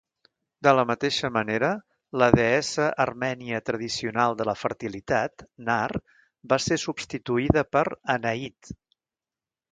De la mateixa manera, la deessa armènia tradicional de la fertilitat, Nar, va ser substituïda per Anahit.